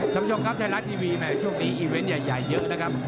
ท่านผู้ชมครับไทยรัฐทีวีช่วงนี้อีเวนต์ใหญ่เยอะนะครับ